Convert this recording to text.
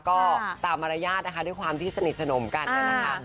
ก็ตามมารยาทนะคะด้วยความที่สนิทสนมกันนะคะ